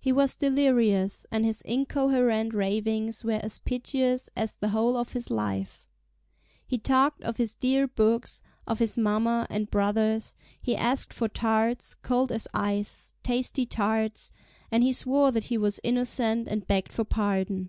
He was delirious, and his incoherent ravings were as piteous as the whole of his life. He talked of his dear books, of his mamma and brothers; he asked for tarts, cold as ice, tasty tarts; and he swore that he was innocent, and begged for pardon.